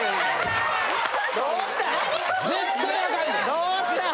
・どうしたの！？